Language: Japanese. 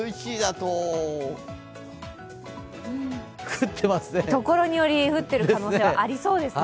ところにより降っている可能性はありそうですね。